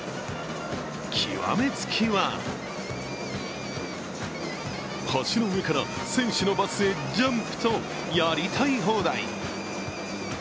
極めつきは橋の上から選手のバスへジャンプとやりたい放題。